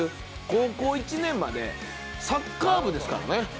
高校１年までサッカー部ですからね。